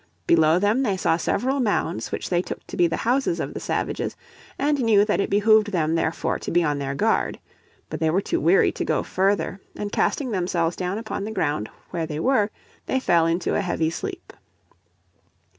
Below them they saw several mounds which they took to be the houses of the savages, and knew that it behooved them therefore to be on their guard. But they were too weary to go further, and casting themselves down upon the ground where they were they fell into a heavy sleep.